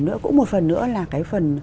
nữa cũng một phần nữa là cái phần